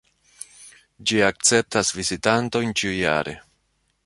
Ĝi akceptas vizitantojn ĉiujare.